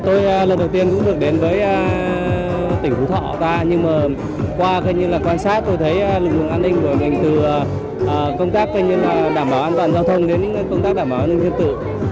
tôi lần đầu tiên cũng được đến với tỉnh phú thọ ta nhưng mà qua quan sát tôi thấy lực lượng an ninh của mình từ công tác đảm bảo an toàn giao thông đến công tác đảm bảo an ninh thiên tự